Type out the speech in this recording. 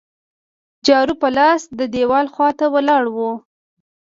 جارو په لاس د دیوال خوا ته ولاړ وو.